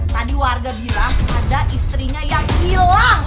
tadi warga bilang ada istrinya yang hilang